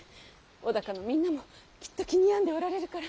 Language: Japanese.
尾高のみんなもきっと気に病んでおられるから。